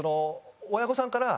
親御さんから。